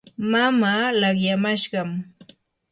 mamaa laqyamashqam.